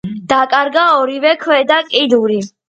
დაკარგა ორივე ქვედა კიდური.